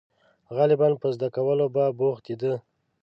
• غالباً په زده کولو به بوختېده.